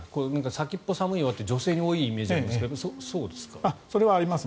先っぽ寒いわって女性に多いイメージがあるんですがそれはそうですか？